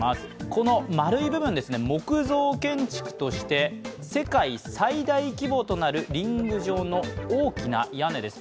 この丸い部分、木造建築として世界最大規模となるリング状の大きな屋根です。